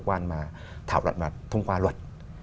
cơ quan mà thảo luận và thông qua luật